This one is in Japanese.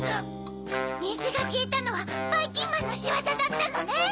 にじがきえたのはばいきんまんのしわざだったのね！